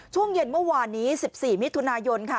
ช่วงเย็นเมื่อวานนี้๑๔มิถุนายนค่ะ